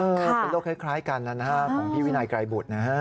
เป็นโรคคล้ายกันนะฮะของพี่วินัยไกรบุตรนะฮะ